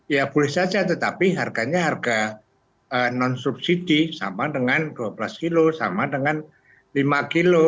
ya boleh saja tetapi harganya harga non subsidi sama dengan dua belas kilo sama dengan lima kilo